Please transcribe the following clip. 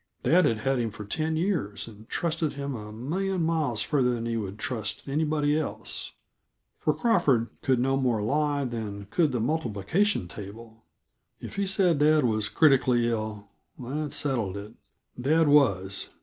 Dad had had him for ten years, and trusted him a million miles farther than he would trust anybody else for Crawford could no more lie than could the multiplication table; if he said dad was "critically ill," that settled it; dad was.